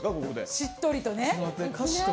しっとりとね。